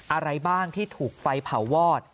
อะไรบ้างที่ถูกไฟเผาวอด